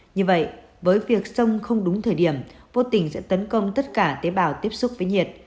như vậy với việc sông không đúng thời điểm vô tình sẽ tấn công tất cả tế bào tiếp xúc với nhiệt